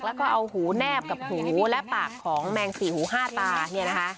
แล้วก็เอาหูแนบกับหูและปากของแมงสี่หูห้าตาเนี่ยนะคะ